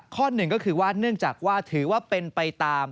ข้อ๑คือว่าเพราะถือเป็นปลายตาม